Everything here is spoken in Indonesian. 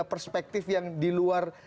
perspektif yang di luar